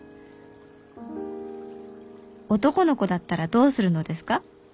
「男の子だったらどうするのですか？」。